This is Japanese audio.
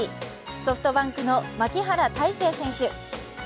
ソフトバンクの牧原大成選手。